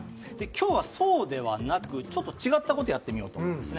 今日はそうではなく、ちょっと違ったことをやってみようと思います。